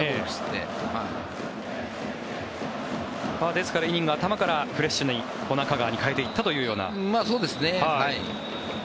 ですから、イニング頭からフレッシュな中川に代えていったというような。